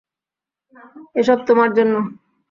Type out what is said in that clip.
এসব তোমার জন্য।